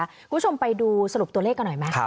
คุณผู้ชมไปดูสรุปตัวเลขกันหน่อยไหม